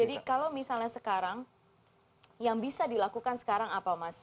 jadi kalau misalnya sekarang yang bisa dilakukan sekarang apa mas misbah